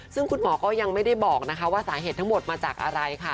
ซึ่งคุณหมอก็ยังไม่ได้บอกนะคะว่าสาเหตุทั้งหมดมาจากอะไรค่ะ